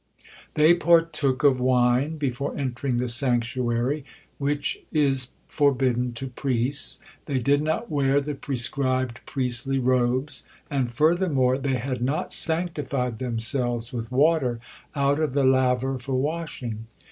They partook of wine before entering the sanctuary, which if forbidden to priests; they did not wear the prescribed priestly robes, and, furthermore, they had not sanctified themselves with water out of the laver for washing.